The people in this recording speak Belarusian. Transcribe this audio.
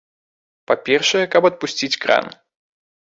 Па-першае, каб адпусціць кран.